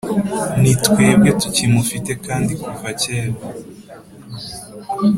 Nitwebwe tukimufite kandi kuva kera